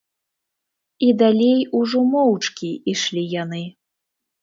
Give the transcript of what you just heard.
І далей ужо моўчкі ішлі яны.